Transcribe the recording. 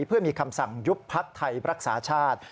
เพื่อมีคำสั่งยุบพักไทยรักษาชาติ